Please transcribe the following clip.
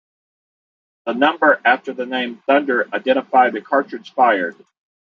The number after the name "Thunder" identify the cartridge fired.